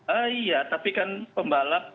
oh iya tapi kan pembalap